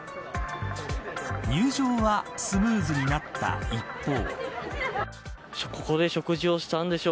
入場はスムーズになった一方。